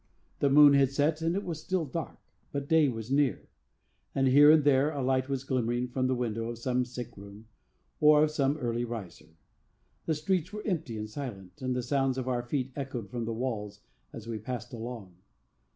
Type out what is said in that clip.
The moon had set and it was still dark, but day was near; and here and there a light was glimmering from the window of some sick room, or of some early riser. The streets were empty and silent, and the sounds of our feet echoed from the walls as we passed along.